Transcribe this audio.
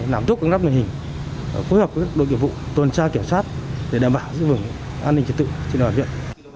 làm tốt các đáp luyện hình phối hợp với đối kiểu vụ tuần tra kiểm soát để đảm bảo giữ vững an ninh trật tự trên địa bàn huyện